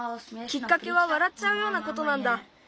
きっかけはわらっちゃうようなことなんだ。